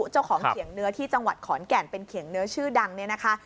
เจ้าของเขียงเนื้อที่จังหวัดขอนแก่นเป็นเขียงเนื้อชื่อดังเนี่ยนะคะ